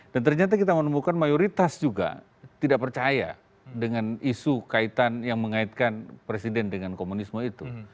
dan ternyata kita menemukan mayoritas juga tidak percaya dengan isu kaitan yang mengaitkan presiden dengan komunisme itu